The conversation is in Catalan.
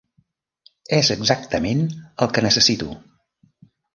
És exactament el que necessito!